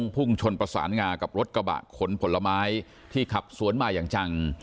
พุ่งชนประสานงากับรถกระบะขนผลไม้ที่ขับสวนมาอย่างจัง